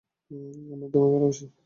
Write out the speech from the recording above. আমরা তোমায় ভালোবাসি!